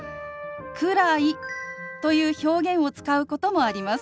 「くらい」という表現を使うこともあります。